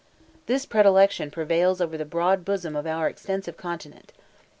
This predilection prevails over the broad bosom of our extensive continent.